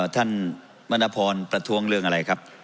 ท่านมณพรประท้วงเรื่องอะไรครับ